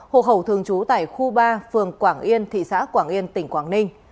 hộ khẩu thường trú tại khu ba phường quảng yên thị xã quảng yên tỉnh quảng ninh